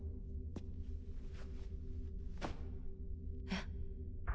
えっ？